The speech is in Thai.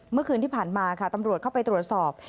เมื่อคืนที่ผ่านมาค่ะตำรวจเข้าไปตรวจสอบ